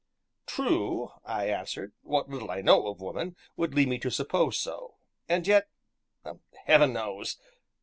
"True," I answered, "what little I know of woman would lead me to suppose so; and yet Heaven knows!